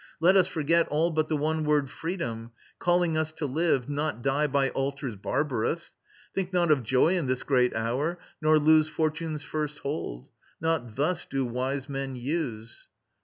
Let us forget All but the one word Freedom, calling us To live, not die by altars barbarous. Think not of joy in this great hour, nor lose Fortune's first hold. Not thus do wise men use.